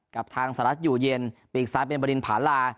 กับทางสหรัฐอยู่เย็นปีกซ้ายเป็นบรินผาลา